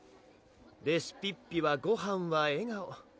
レシピッピは「ごはんは笑顔」